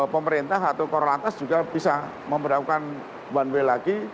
pemerintah atau korlantas juga bisa memperlakukan one way lagi